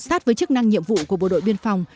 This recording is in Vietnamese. sát với chức năng nhiệm vụ của bộ đội biên phòng